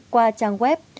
qua trang web